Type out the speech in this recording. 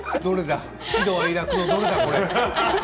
喜怒哀楽のどれだ？